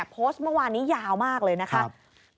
โพสต์เมื่อวานนี้ยาวมากเลยนะครับ